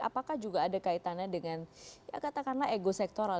apakah juga ada kaitannya dengan katakanlah ego sektoral